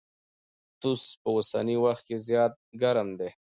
توس په اوسني وخت کي زيات ګرم دی.